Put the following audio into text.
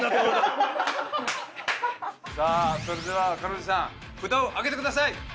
さあそれでは彼女さん札を上げてください。